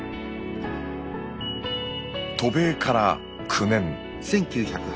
渡米から９年。